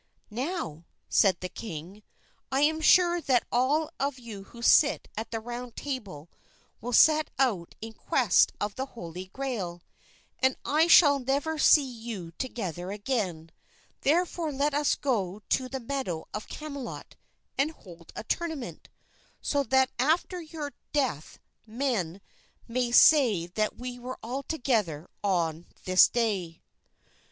"Now," said the king, "I am sure that all of you who sit at the Round Table will set out in quest of the Holy Grail, and I shall never see you together again; therefore let us go to the meadow of Camelot and hold a tournament, so that after your death men may say that we were all together on this day."